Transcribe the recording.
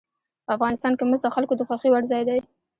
افغانستان کې مس د خلکو د خوښې وړ ځای دی.